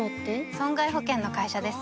損害保険の会社です